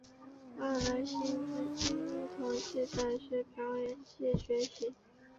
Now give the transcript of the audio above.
后来馨子进入同济大学表演系学习。